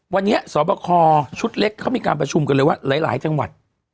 วันนี้สอบคอชุดเล็กเขามีการประชุมกันเลยว่าหลายจังหวัด